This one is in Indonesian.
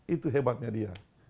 itu hebatnya dia